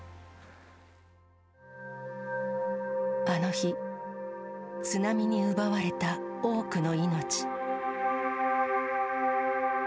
あの日、津波に奪われた多くの命。